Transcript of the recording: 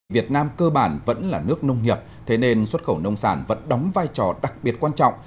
việt nam cơ bản vẫn là nước nông nghiệp thế nên xuất khẩu nông sản vẫn đóng vai trò đặc biệt quan trọng